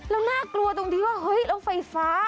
แล้วน่ากลัวตรงที่ว่าเฮ้ยแล้วไฟฟ้า